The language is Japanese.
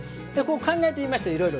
考えてみましたいろいろね。